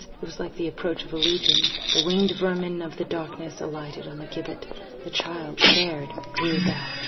It was like the approach of a Legion. The winged vermin of the darkness alighted on the gibbet; the child, scared, drew back.